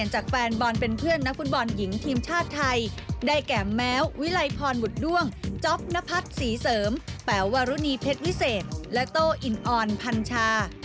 หรือเป็นฝันผันชา